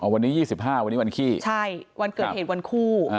วันนี้๒๕วันนี้วันขี้ใช่วันเกิดเหตุวันคู่